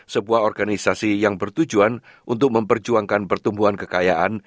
sebuah organisasi yang bertujuan untuk memperjuangkan pertumbuhan kekayaan